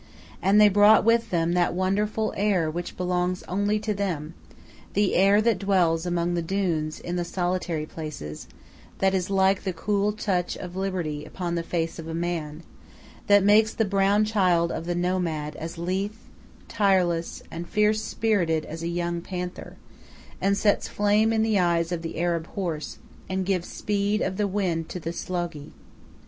And they brought with them that wonderful air which belongs only to them the air that dwells among the dunes in the solitary places, that is like the cool touch of Liberty upon the face of a man, that makes the brown child of the nomad as lithe, tireless, and fierce spirited as a young panther, and sets flame in the eyes of the Arab horse, and gives speed of the wind to the Sloughi.